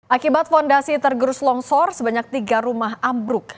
akibat fondasi tergerus longsor sebanyak tiga rumah ambruk